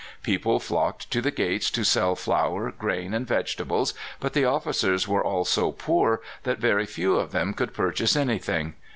People flocked to the gates to sell flour, grain, and vegetables. But the officers were all so poor that very few of them could purchase anything.